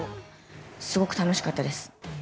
すごく楽しかったです。